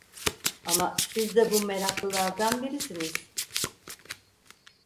Ama siz de bu meraklılardan birisiniz…